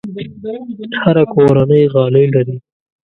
هره کورنۍ غالۍ لري.